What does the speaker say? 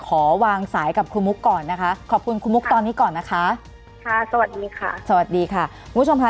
ขอวางสายกับครูมุกก่อนนะคะขอบคุณคุณมุกตอนนี้ก่อนนะคะค่ะสวัสดีค่ะสวัสดีค่ะคุณผู้ชมค่ะ